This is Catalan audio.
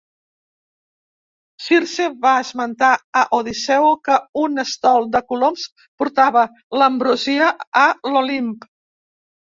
Circe va esmentar a Odisseu que un estol de coloms portava l'ambrosia a l'Olimp.